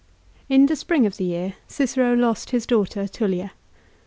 In the spring of the year Cicero lost his daughter Tullia.